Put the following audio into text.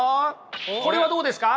これはどうですか？